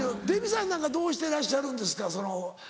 デヴィさんなんかどうしてらっしゃるんですか？